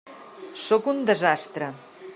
Sóc un desastre.